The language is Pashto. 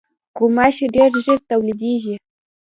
غوماشې ډېر ژر تولیدېږي.